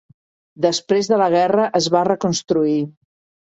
Després de la guerra es va reconstruir.